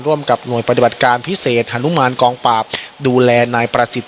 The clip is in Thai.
ร่วมกับหน่วยปฏิบัติการพิเศษฮานุมานกองปราบดูแลนายประสิทธิ